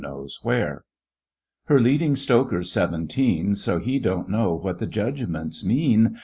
Her leading stoker's seventeen. So he don't know what the Judgments m^an.